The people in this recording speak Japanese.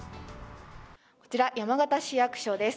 こちら、山形市役所です。